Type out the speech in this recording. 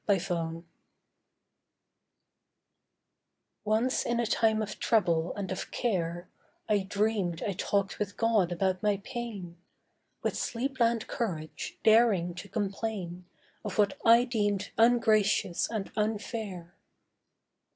GOD'S ANSWER Once in a time of trouble and of care I dreamed I talked with God about my pain; With sleepland courage, daring to complain Of what I deemed ungracious and unfair.